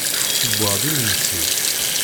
Ssewweɣ-d imensi.